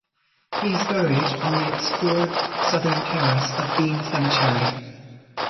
He is buried on the obscured southern terrace of Dean Cemetery.